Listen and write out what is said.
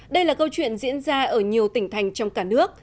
đây là câu chuyện diễn ra ở nhiều tỉnh thành trong cả nước